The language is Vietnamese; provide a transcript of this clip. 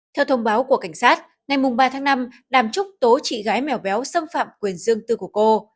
theo thông báo của cảnh sát ngày ba tháng năm đàm trúc tố chị gái mèo béo xâm phạm quyền dương tư của cô